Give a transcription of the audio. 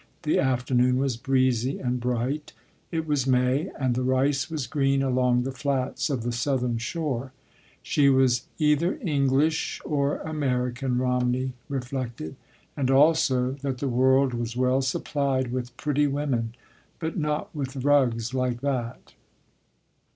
The afternoon was breezy and bright. It was May, and the rice was green along the flats of the southern shore.... She was either English or American, Romney reflected, and also that the world was well supplied with pretty women, but not with rugs like that.